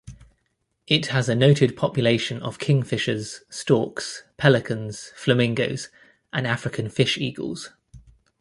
It has a noted population of kingfishers, storks, pelicans, flamingos and African fish eagles.